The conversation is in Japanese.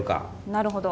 なるほど。